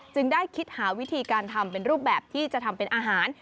ได้คิดหาวิธีการทำเป็นรูปแบบที่จะทำเป็นอาหาร